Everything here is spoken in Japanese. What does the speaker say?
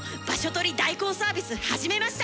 取り代行サービス始めました！